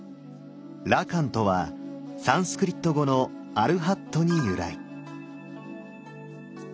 「羅漢」とはサンスクリット語の「アルハット」に由来。